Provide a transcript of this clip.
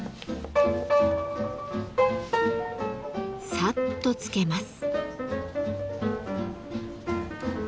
サッとつけます。